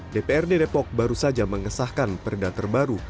dprd depok baru saja mengesahkan perda terbaru